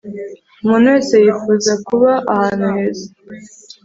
umuntu wese yifuza kuba ahantu heza